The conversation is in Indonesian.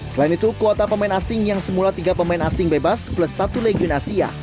selain itu kuota pemain asing yang semula tiga pemain asing bebas plus satu legion asia